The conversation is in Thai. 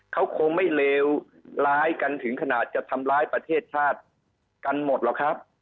เขาคงไม่เลวร้ายกันถึงขนาดจะทำร้ายประเทศชาติกันหมดหรอกครับ